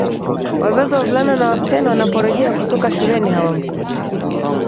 wazazi Wavulana na wasichana wanaporejea kutoka shuleni hawamkuti